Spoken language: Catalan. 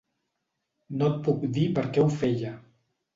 No et puc dir per què ho feia.